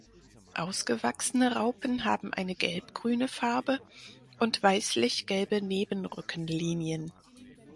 Ausgewachsene Raupen haben eine gelbgrüne Farbe und weißlich gelbe Nebenrückenlinien.